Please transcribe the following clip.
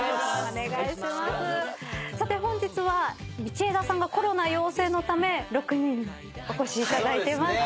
さて本日は道枝さんがコロナ陽性のため６人お越しいただいてます。